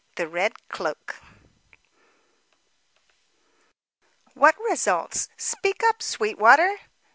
THE RED CLOAK "What results? Speak up, Sweetwater."